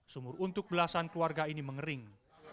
sumur untuk belasan keluarga ini mengering